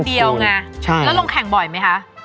ใช่แล้วลงแข่งบ่อยไหมคะ